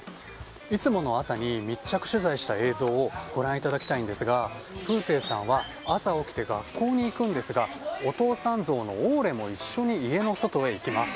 いつもの朝に密着取材した映像をご覧いただきたいんですがプーペーさんは朝起きて学校に行くんですがお父さんゾウのオーレも一緒に家の外に行きます。